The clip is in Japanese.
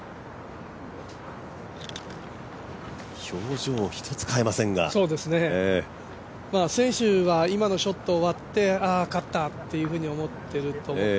表情一つ変えませんが選手は今のショット終わって、ああ、勝ったって思うと思います。